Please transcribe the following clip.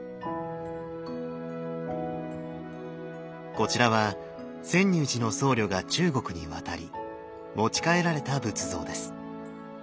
こちらは泉涌寺の僧侶が中国に渡り持ち帰られた仏像です。